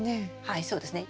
はいそうですね。